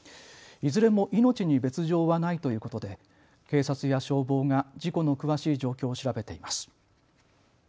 いずれも命に別状はないということで警察や消防が事故の詳しい状況を調べています。